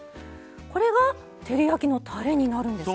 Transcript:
これが照り焼きのたれになるんですか？